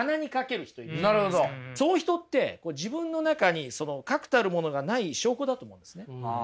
そういう人って自分の中に確たるものがない証拠だと思うんですね。